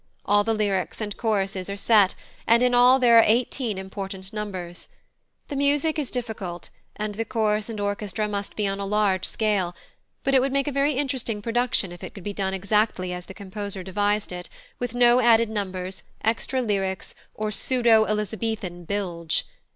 All the lyrics and choruses are set, and in all there are eighteen important numbers. The music is difficult, and the chorus and orchestra must be on a large scale; but it would make a very interesting production if it could be done exactly as the composer devised it, with no added numbers, extra lyrics, or pseudo Elizabethan bilge.